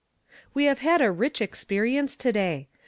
We have had a rich experience to day.